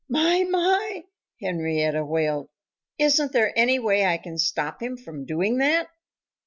"My! my!" Henrietta wailed. "Isn't there any way I can stop him from doing that?"